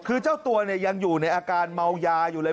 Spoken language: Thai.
คือเจ้าตัวเนี่ยยังอยู่ในอาการเมายาอยู่เลย